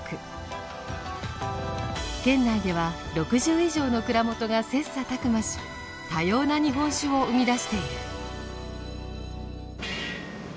県内では６０以上の蔵元が切磋琢磨し多様な日本酒を生み出している。